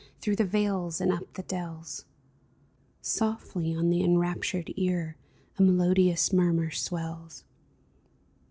Through the vales and up the dells — Softly on the enraptured ear A melodious murmur swells